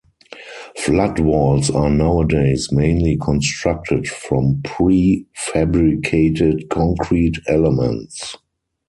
Flood walls are nowadays mainly constructed from pre-fabricated concrete elements.